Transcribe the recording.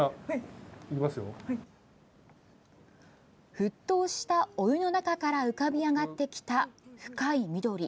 沸騰したお湯の中から浮かび上がってきた、深い緑。